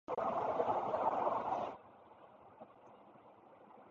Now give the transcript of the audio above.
いよいよ自分は食事の時刻を恐怖しました